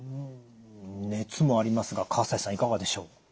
熱もありますが西さんいかがでしょう？